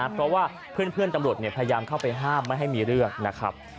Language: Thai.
เพราะว่าเพื่อนตำรวจพยายามเข้าไปห้ามไม่ให้มีเรื่องนะครับ